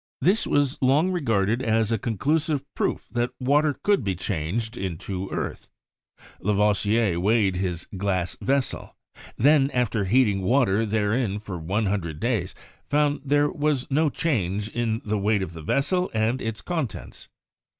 This was long regarded as a conclusive proof that water could be changed into earth. Lavoisier weighed his glass vessel, and then, after heating water therein for one hundred days, found there was no change in the weight of the vessel and its contents.